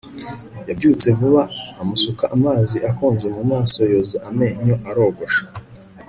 Yabyutse vuba amusuka amazi akonje mu maso yoza amenyo arogosha